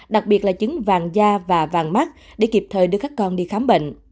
đặc biệt là chứng vàng da và vàng mắt để kịp thời đưa các con đi khám bệnh